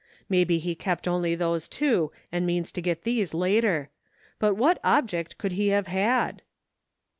Maybe he kept only those two and means to get these later — but what object could he have had?